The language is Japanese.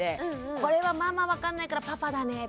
これはママ分かんないからパパだねとか。